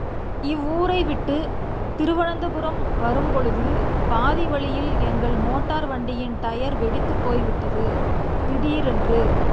இவ்வூரைவிட்டுத் திருவனந்தபுரம் வரும்பொழுது, பாதி வழியில் எங்கள் மோட்டார் வண்டியின் டயர் வெடித்துப் போய்விட்டது திடீரென்று!